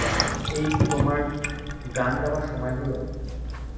এই কি তোমার গান গাবার সময় হল?